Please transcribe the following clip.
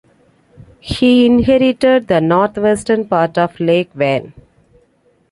He inherited the north-western part of Lake Van.